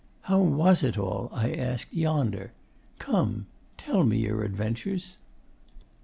'How was it all,' I asked, 'yonder? Come! Tell me your adventures.